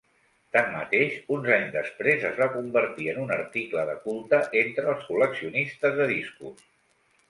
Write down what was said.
Tanmateix, uns anys després, es va convertir en un article de culte entre els col·leccionistes de discos.